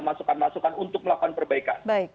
masukan masukan untuk melakukan perbaikan